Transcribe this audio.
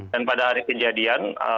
dan pada hari kejadian